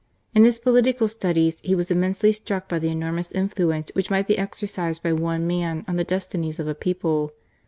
In his political studies he was immensely struck by the enormous influence which might be exercised by one man on the destinies of a people.